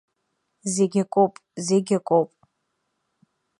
Зегь акоуп, зегь акоуп.